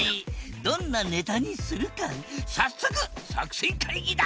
どんなネタにするか早速作戦会議だ！